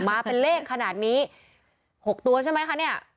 มาเป็นเลขขนาดนี้๖ตัวใช่ไหมคะเนี่ย